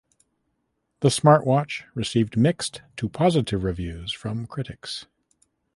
The smartwatch received mixed to positive reviews from critics.